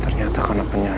ternyata kan apanya ada